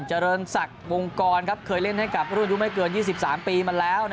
เจริญศักดิ์วงกรเคยเล่นให้กับรุ่นอายุไม่เกิน๒๓ปีมาแล้ว